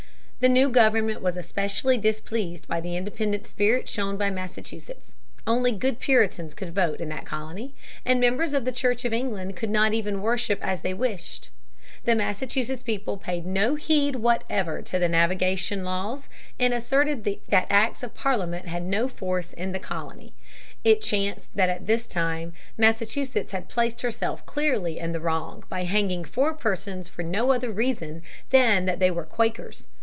The new government was especially displeased by the independent spirit shown by Massachusetts. Only good Puritans could vote in that colony, and members of the Church of England could not even worship as they wished. The Massachusetts people paid no heed whatever to the navigation laws and asserted that acts of Parliament had no force in the colony. It chanced that at this time Massachusetts had placed herself clearly in the wrong by hanging four persons for no other reason than that they were Quakers.